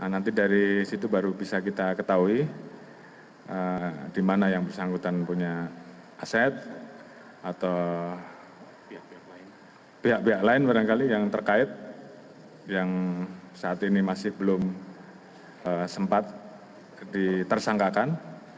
nanti dari situ baru bisa kita ketahui di mana yang bersangkutan punya aset atau pihak pihak lain barangkali yang terkait yang saat ini masih belum sempat ditersangkakan